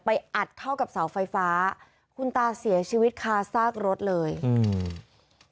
อัดเข้ากับเสาไฟฟ้าคุณตาเสียชีวิตคาซากรถเลยอืม